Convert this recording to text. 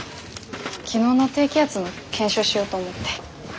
昨日の低気圧の検証しようと思って。